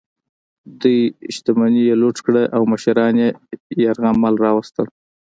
دوی شتمني یې لوټ کړه او مشران یې یرغمل راوستل.